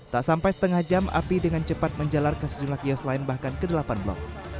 tak sampai setengah jam api dengan cepat menjalar ke sejumlah kios lain bahkan ke delapan blok